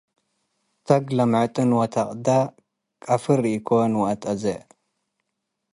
ተግ ለምዕጥን ወተቅደ ቀፍር ኢኮን ወእት አዜ